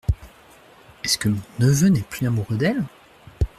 Est-ce que mon neveu n’est plus amoureux d’elle ?